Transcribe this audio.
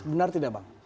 benar tidak bang